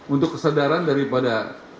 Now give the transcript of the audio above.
untuk kesadaran daripada